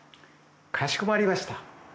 かしこまりました。